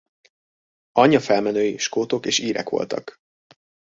Anyja felmenői skótok és írek voltak.